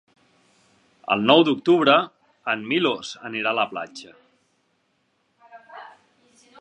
El nou d'octubre en Milos anirà a la platja.